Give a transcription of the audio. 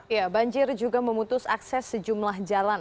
ya banjir juga memutus akses sejumlah jalan